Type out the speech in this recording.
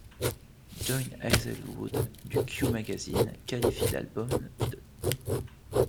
John Aizlewood du Q magazine qualifie l'album d'.